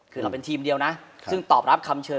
คือเราเป็นทีมเดียวนะซึ่งตอบรับคำเชิญ